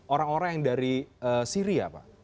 orang orang yang dari syria pak